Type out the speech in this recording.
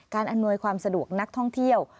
อำนวยความสะดวกนักท่องเที่ยว